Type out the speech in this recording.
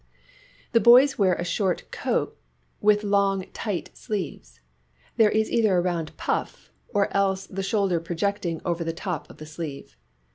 The boys wear a short coat with long tight sleeves. There is either a round puff, or else the shoulder projecting over the top of the sleeve.